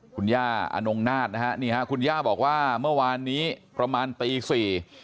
คุณย่าอนงนาฏนะฮะนี่ฮะคุณย่าบอกว่าเมื่อวานนี้ประมาณตีสี่